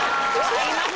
買います